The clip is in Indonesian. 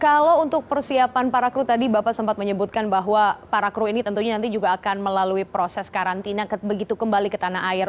kalau untuk persiapan para kru tadi bapak sempat menyebutkan bahwa para kru ini tentunya nanti juga akan melalui proses karantina begitu kembali ke tanah air